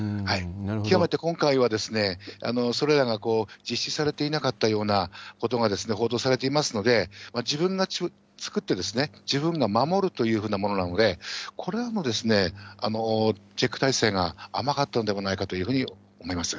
極めて今回は、それらが実施されていなかったようなことが報道されていますので、自分が作って、自分が守るというふうなものなので、これらもチェック体制が甘かったんではないかというふうに思います。